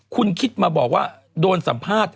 คุณคิดมาบอกว่าโดนสัมภาษณ์